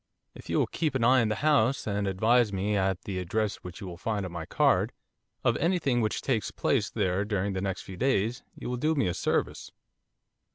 'If you will keep an eye on the house and advise me at the address which you will find on my card, of any thing which takes place there during the next few days, you will do me a service.